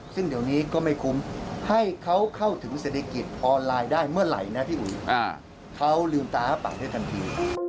ซึ่งเดี๋ยวนี้ก็ไม่คุ้มให้เขาเข้าถึงเศรษฐกิจออนไลน์ได้เมื่อไหร่นะพี่อุ๋ยเขาลืมตาอ้าปากได้ทันที